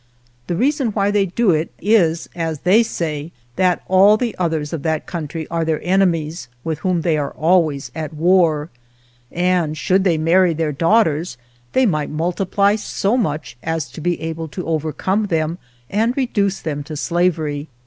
The reason why they do it is (as they say) that all the others of that country are their enemies with whom they are always at war, and should they marry their daughters they might multiply so much as to be able to overcome them and reduce them to slavery.